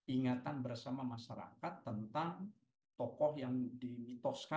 ingatan bersama masyarakat tentang tokoh yang dimitoskan